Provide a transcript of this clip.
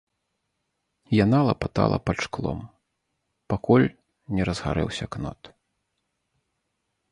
Яна лапатала пад шклом, пакуль не разгарэўся кнот.